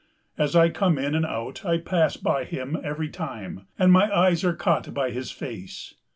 As I come in and out I pass by him every time, and my eyes are caught by his face.